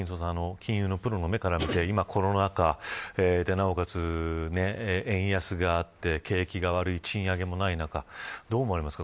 金融のプロの目から見て今、コロナ禍で、なおかつ円安があって景気が悪い賃上げもない中でどう思われますか